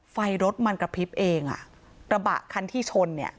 ไฟรถมันกระพริบเองอ่ะกระบะคันที่ชนเนี่ย